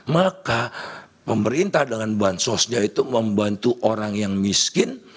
maka pemerintah dengan bansosnya itu membantu orang yang miskin